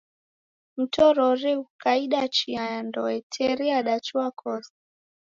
Mtorori ghukaida chia ya ndoe, teri yadachua kose